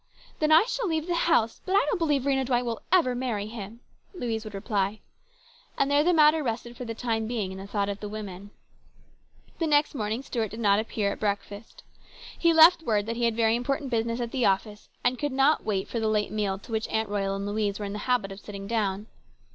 " Then I shall leave the house ; but I don't believe Rhena Dwight will ever marry him," Louise would reply. And there the matter rested for the time being, in the thought of the women. The next morning Stuart did not appear at 222 HIS BROTHER'S KEEPER. breakfast. He left word that he had very important business at the office and could not wait for the late meal to which Aunt Royal and Louise were in the habit of sitting down.